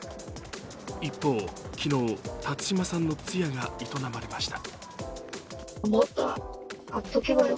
一方、昨日、辰島さんの通夜が営まれました。